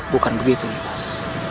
bukan begitu nipis